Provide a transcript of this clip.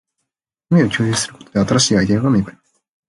夢を共有することで、新しいアイデアが芽生えます